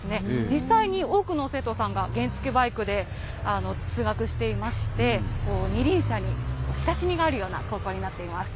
実際に多くの生徒さんが原付バイクで通学していまして、二輪車に親しみがあるような高校になっています。